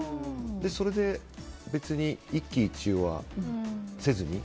それで、別に一喜一憂はせずに。